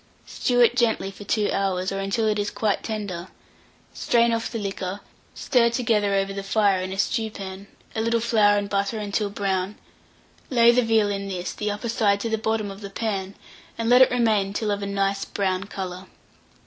Stew it gently for 2 hours, or until it is quite tender; strain off the liquor; stir together over the fire, in a stewpan, a little flour and butter until brown; lay the veal in this, the upper side to the bottom of the pan, and let it remain till of a nice brown colour.